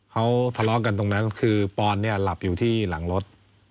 เขาทะเลาะกันตรงนั้นคือปอนเนี่ยหลับอยู่ที่หลังรถ